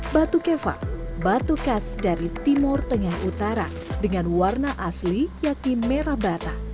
batu keva batu khas dari timur tengah utara dengan warna asli yakni merah bata